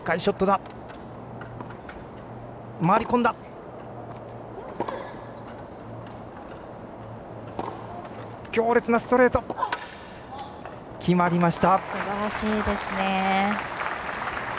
すばらしいですね。